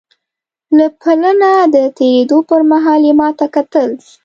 له پله نه د تېرېدو پر مهال یې ما ته کتل.